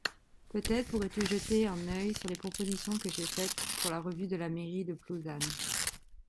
Peut-être pourrais-tu jeter un œil sur les propositions que j’ai faite pour la revue de la mairie de Plouzane.